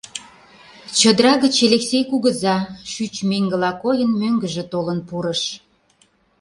Чодыра гыч Элексей кугыза, шӱч меҥгыла койын, мӧҥгыжӧ толын пурыш.